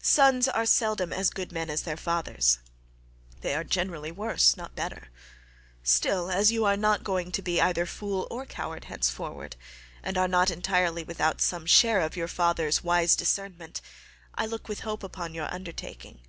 Sons are seldom as good men as their fathers; they are generally worse, not better; still, as you are not going to be either fool or coward henceforward, and are not entirely without some share of your father's wise discernment, I look with hope upon your undertaking.